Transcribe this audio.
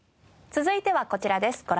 続いてはこちらです。